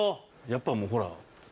やっぱもうほら。